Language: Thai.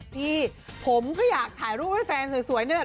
พี่ผมก็อยากถ่ายรูปให้แฟนสวยนี่แหละ